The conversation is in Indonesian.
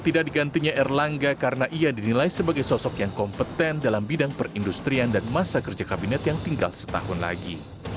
tidak digantinya erlangga karena ia dinilai sebagai sosok yang kompeten dalam bidang perindustrian dan masa kerja kabinet yang tinggal setahun lagi